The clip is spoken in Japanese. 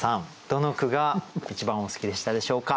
どの句が一番お好きでしたでしょうか。